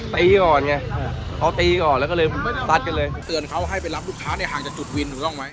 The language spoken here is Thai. ไม่ได้มีปัญหาใครแค่คนนี้นะไม่เคยเจอหน้าด้วยไม่เคยเจอ